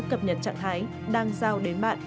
cập nhật trạng thái đang giao đến bạn